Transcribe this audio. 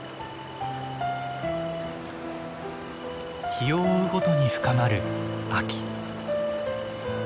日を追うごとに深まる秋。